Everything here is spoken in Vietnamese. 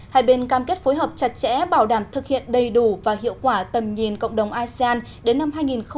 liên cam kết phối hợp chặt chẽ bảo đảm thực hiện đầy đủ và hiệu quả tầm nhìn cộng đồng asean đến năm hai nghìn hai mươi năm